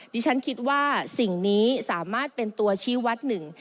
ดิฉันคิดว่าสิ่งนี้สามารถเป็นตัวชี้วัดหนึ่ง